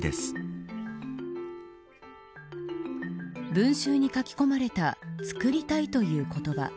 文集に書き込まれた作りたいという言葉。